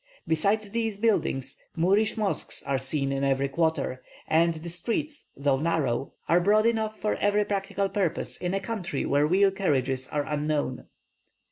Besides these buildings, Moorish mosques are seen in every quarter, and the streets, though narrow, are broad enough for every practical purpose in a country where wheel carriages are unknown.